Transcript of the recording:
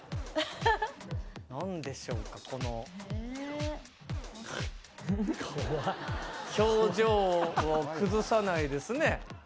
なんでしょうかこの顔は表情を崩さないですね。